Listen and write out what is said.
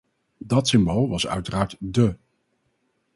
Dat symbool was uiteraard de .